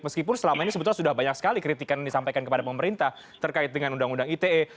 meskipun selama ini sebetulnya sudah banyak sekali kritikan yang disampaikan kepada pemerintah terkait dengan undang undang ite